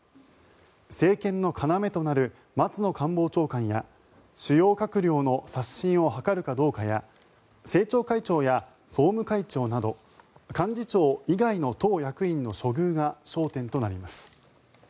政権の要となる松野官房長官や主要閣僚の刷新を図るかどうかや政調会長や総務会長など幹事長以外の党役員の処遇が焦点となります。